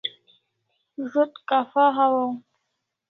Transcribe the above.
Zo't kapha hawaw